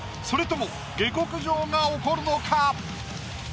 それとも下克上が起こるのか？